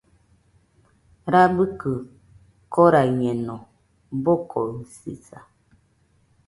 Rabɨkɨ koraɨñeno, bokoɨsisa.